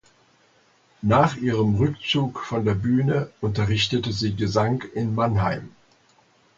Nach ihrem Rückzug von der Bühne unterrichtete sie Gesang in Mannheim.